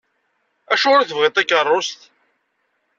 Acuɣer i tebɣiḍ takerrust?